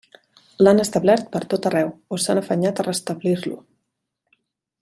L'han establert pertot arreu, o s'han afanyat a restablir-lo.